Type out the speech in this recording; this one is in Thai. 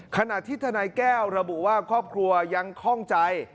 ขณะที่ทนายแก้วระบุว่าครอบครัวยังคล่องใจ